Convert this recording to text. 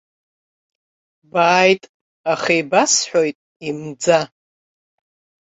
Бааит, аха ибасҳәоит имӡа.